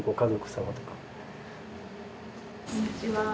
こんにちは。